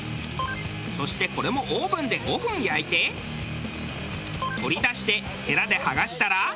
そしてこれもオーブンで５分焼いて取り出してヘラで剥がしたら。